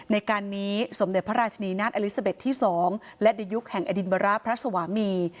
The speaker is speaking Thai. ในการนี้สมเด็จพระราชนีนาฏอลิซาเบ็ดที่๒และในยุคแห่งอดินบระพระสวามี